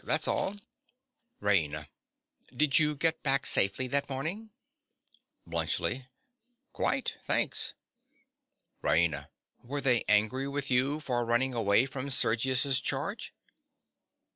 That's all. RAINA. Did you get back safely that morning? BLUNTSCHLI. Quite, thanks. RAINA. Were they angry with you for running away from Sergius's charge?